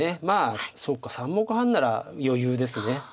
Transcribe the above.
まあそうか３目半なら余裕ですね。